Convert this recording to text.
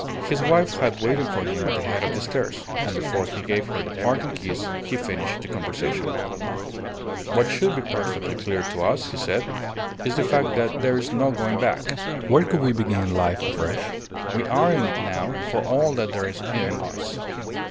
His wife had waited for him at the head of the stairs, and before he gave her the parting kiss he finished the conversation "What should be perfectly clear to us," he said, "is the fact that there is no going back. Where could we begin life afresh? We are in now for all that there is in us."